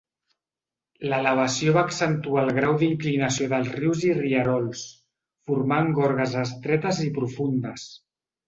L'elevació va accentuar el grau d'inclinació dels rius i rierols, formant gorges estretes i profundes.